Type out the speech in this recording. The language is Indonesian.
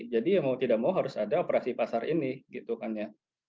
jadi mau tidak mau harus ada operasi pasar ini gitu kan ya